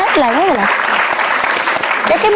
เกลียดอะไรนะ